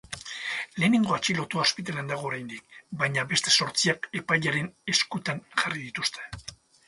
Lehenengo atxilotua ospitalean dago oraindik, baina beste zortziak epailearen eskutan jarri dituzte.